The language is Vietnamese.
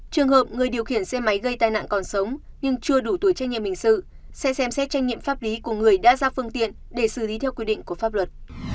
trường hợp người điều khiển xe máy gây tai nạn còn sống nhưng chưa đủ tuổi tranh nhiệm hình sự sẽ xem xét trách nhiệm pháp lý của người đã ra phương tiện để xử lý theo quy định của pháp luật